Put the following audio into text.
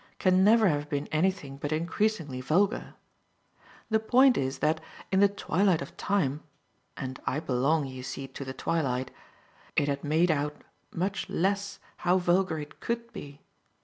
can never have been anything but increasingly vulgar. The point is that in the twilight of time and I belong, you see, to the twilight it had made out much less how vulgar it COULD be.